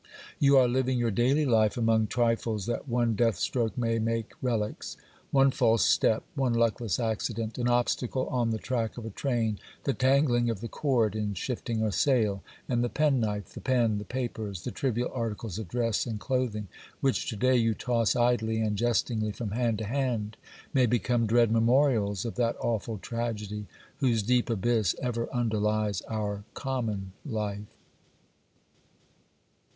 You are living your daily life among trifles that one death stroke may make relics. One false step, one luckless accident, an obstacle on the track of a train, the tangling of the cord in shifting a sail, and the penknife, the pen, the papers, the trivial articles of dress and clothing, which to day you toss idly and jestingly from hand to hand, may become dread memorials of that awful tragedy whose deep abyss ever underlies our common life.